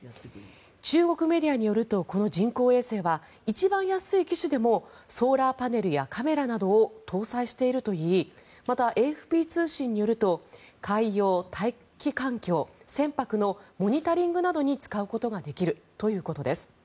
中国メディアによるとこの人工衛星は一番安い機種でもソーラーパネルやカメラなどを搭載しているといいまたＡＦＰ通信によると海洋、大気環境、船舶のモニタリングなどに使うことができるということです。